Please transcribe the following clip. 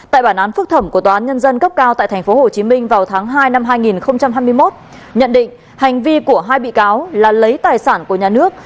tại bản án phúc thẩm của tòa án nhân dân cấp cao tại tp hcm vào tháng hai năm hai nghìn hai mươi một nhận định hành vi của hai bị cáo là lấy tài sản của nhà nước